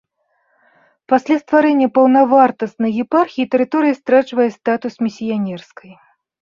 Пасля стварэння паўнавартаснай епархіі тэрыторыя страчвае статус місіянерскай.